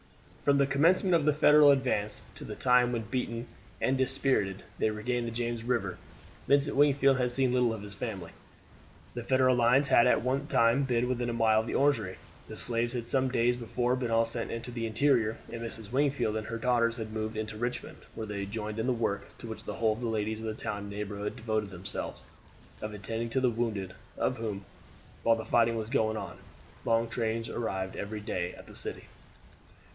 From the commencement of the Federal advance to the time when, beaten and dispirited, they regained the James River, Vincent Wingfield had seen little of his family. The Federal lines had at one time been within a mile of the Orangery. The slaves had some days before been all sent into the interior, and Mrs. Wingfield and her daughters had moved into Richmond, where they joined in the work, to which the whole of the ladies of the town and neighborhood devoted themselves, of attending to the wounded, of whom, while the fighting was going on, long trains arrived every day at the city.